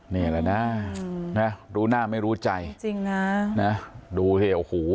นี่แหละนะนะรู้หน้าไม่รู้ใจจริงจริงนะนะดูเฮ้ยโอ้โห